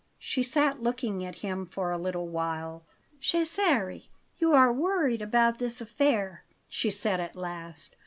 She sat looking at him for a little while. "Cesare, you are worried about this affair," she said at last.